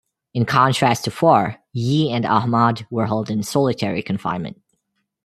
In contrast to Farr, Yee and Ahmad were held in solitary confinement.